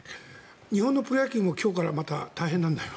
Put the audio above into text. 日本のプロ野球も今日からまた大変なんだよ。